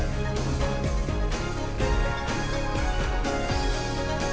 provinsi kepulauan rio